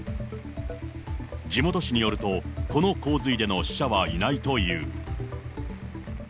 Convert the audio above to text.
地元紙によると、この洪水での死者はいないという。